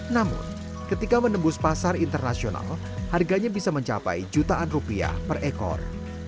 namun ketika menembus pasar internasional harganya bisa mencapai jutaan rupiah per ekor